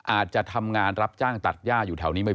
อาจจะทำงานรับจ้างตัดย่าอยู่แถวนี้ไม่